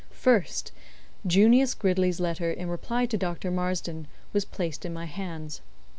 First, Junius Gridley's letter in reply to Dr. Marsden was placed in my hands.